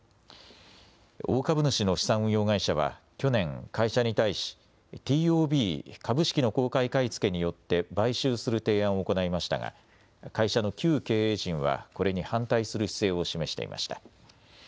大株主の資産運用会社は去年、会社に対し、ＴＯＢ・株式の公開買い付けによって買収する提案を行いましたが、会社の旧経営陣はこれに反対する姿勢を示していました。